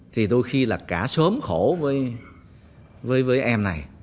thì đôi khi là cả sớm khổ với em này